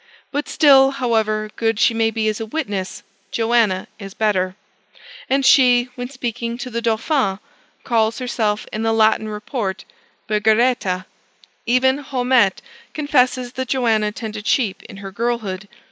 But still, however good she may be as a witness, Joanna is better; and she, when speaking to the Dauphin, calls herself in the Latin report Bergereta. Even Haumette confesses that Joanna tended sheep in her girlhood.